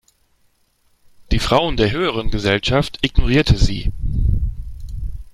Die Frauen der höheren Gesellschaft ignorierte sie.